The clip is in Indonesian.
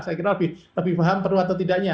saya kira lebih paham perlu atau tidaknya